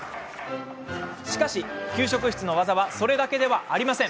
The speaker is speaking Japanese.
しかし、給食室のワザはそれだけではありません。